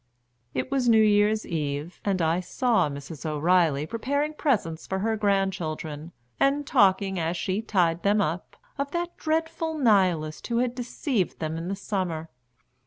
It was New Year's Eve, and I saw Mrs. O'Reilly preparing presents for her grandchildren, and talking, as she tied them up, of that dreadful Nihilist who had deceived them in the summer.